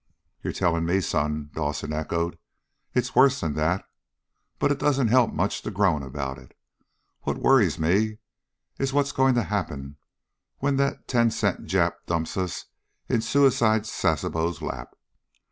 "You're telling me, son?" Dawson echoed. "It's worse than that. But it doesn't help much to groan about it. What worries me is what's going to happen when that ten cent Jap dumps us in Suicide Sasebo's lap?